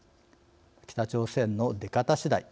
北朝鮮の出方しだい。